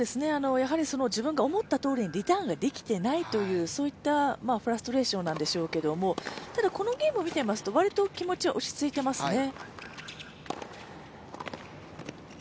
自分が思ったとおりにリターンができていないというそういったフラストレーションなんでしょうけれども、ただ、このゲームを見ていますと、割と気持ちは落ち着いていますね。